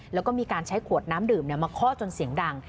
แล้วก็มีการใช้ขวดน้ำดื่มมาเคาะจนเสียงดัง